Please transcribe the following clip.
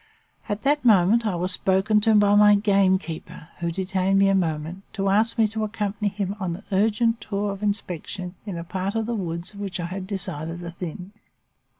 At that moment I was spoken to by my gamekeeper, who detained me a moment, to ask me to accompany him on an urgent tour of inspection in a part of the woods which I had decided to thin.